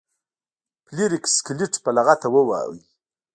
فلیریک سکلیټ په لغته وواهه.